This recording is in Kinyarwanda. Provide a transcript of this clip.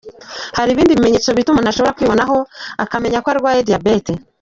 Hari ibindi bimenyetso bito umuntu ashobora kwibonaho akamenya ko arwaye diabète.